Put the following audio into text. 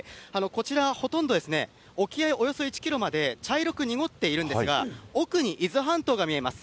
こちら、ほとんど沖合およそ１キロまで茶色く濁っているんですが、奥に伊豆半島が見えます。